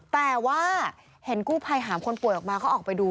แต่ว่าเห็นกู้ภัยหามคนป่วยออกมาก็ออกไปดู